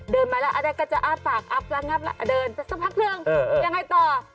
เดินมาละแล้วก็จะเอาฝากอับรักนับละเดินไปสักพักเริ่มยังไงต่อ